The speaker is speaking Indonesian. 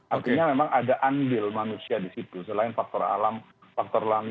artinya memang ada andil manusia di situ selain faktor alam faktor alam